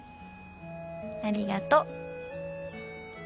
ありがと。